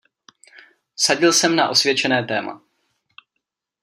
Vsadil jsem na osvědčené téma.